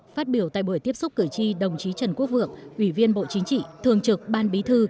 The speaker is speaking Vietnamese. phát biểu tại buổi tiếp xúc cử tri đồng chí trần quốc vượng ủy viên bộ chính trị thường trực ban bí thư